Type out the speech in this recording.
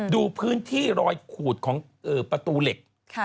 ดูพื้นที่รอยขูดของประตูเหล็ก